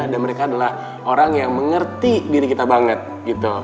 dan mereka adalah orang yang mengerti diri kita banget gitu